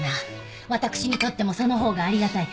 私にとってもその方がありがたい。